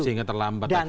sehingga terlambat akhirnya